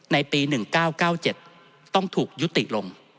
ในปี๑๙๙๗ต้องถูกยุติลง